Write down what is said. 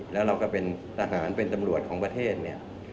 แล้วเราก็เป็นทหารเป็นตำรวจของประเทศเนี่ย